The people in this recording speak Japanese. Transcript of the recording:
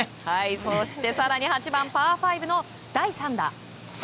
そして８番、パー５の第３打。